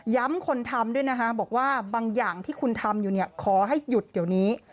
คนทำด้วยนะคะบอกว่าบางอย่างที่คุณทำอยู่เนี่ยขอให้หยุดเดี๋ยวนี้